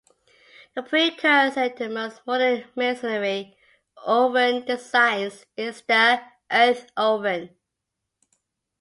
The precursor to most modern masonry oven designs is the earth oven.